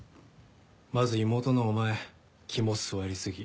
まず妹のお前肝据わり過ぎ。